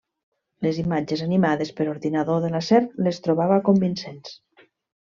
Les imatges animades per ordinador de la serp les trobava convincents.